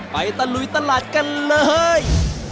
ตะลุยตลาดกันเลย